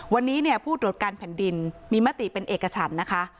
วันนี้ผู้โดดการแผ่นดินมีมาตรีเป็นเอกฉันนะคะ